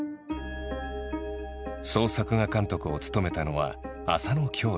総作画監督を務めたのは浅野恭司。